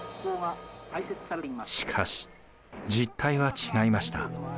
しかし実態は違いました。